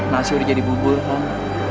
masih udah jadi bubur kum